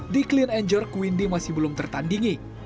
di clean and jerk queendi masih belum tertandingi